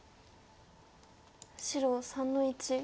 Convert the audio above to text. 白３の一。